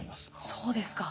そうですか。